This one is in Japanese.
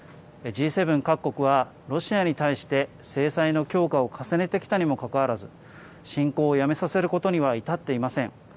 Ｇ７各国は、ロシアに対して制裁の強化を重ねてきたにもかかわらず、侵攻をやめさせることには至っていません。